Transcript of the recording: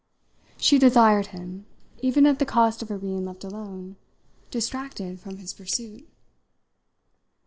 She desired him, even at the cost of her being left alone, distracted from his pursuit.